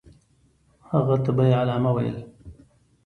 هغه ته به یې علامه ویل.